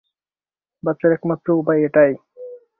বাঁচার একমাত্র উপায় এটাই!